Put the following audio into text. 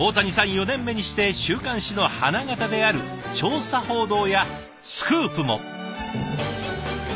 ４年目にして週刊誌の花形である調査報道やスクープも！